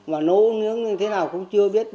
và nấu nước thế nào cũng chưa biết